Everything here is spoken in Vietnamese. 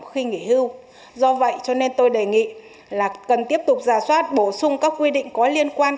khi nghỉ hưu do vậy cho nên tôi đề nghị là cần tiếp tục giả soát bổ sung các quy định có liên quan